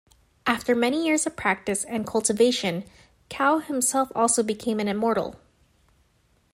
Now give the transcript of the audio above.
After many years of practice and cultivation, Cao himself also became an immortal.